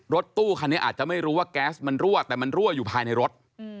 รถตู้คันนี้อาจจะไม่รู้ว่าแก๊สมันรั่วแต่มันรั่วอยู่ภายในรถ